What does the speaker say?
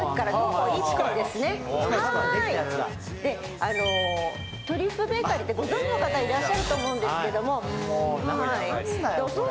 でトリュフベーカリーってご存じの方いらっしゃると思うんですけどもはい。